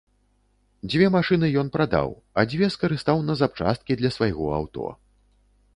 Дзве машыны ён прадаў, а дзве скарыстаў на запчасткі для свайго аўто.